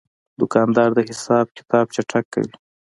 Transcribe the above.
دوکاندار د حساب کتاب چټک کوي.